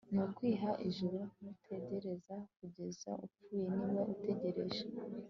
nukwiha ijuru ntutegereze kugeza upfuye niba utegereje